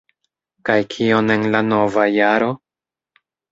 Kaj kion en la nova jaro?